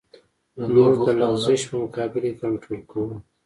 موږ د لغزش په مقابل کې کنټرول کوو